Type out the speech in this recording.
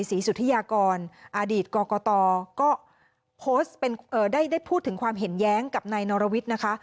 ศรีสุธิยากรอดีตกรกตก็โพสต์เป็นได้พูดถึงความเห็นแย้งกับนายนรวิทย์นะคะ